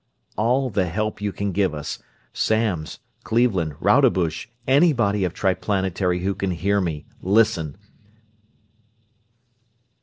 "... all the help you can give us. Samms Cleveland Rodebush anybody of Triplanetary who can hear me, listen!